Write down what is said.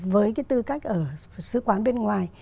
với cái tư cách ở sứ quán bên ngoài